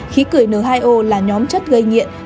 khí cười n hai o là nhóm chất gây nghiện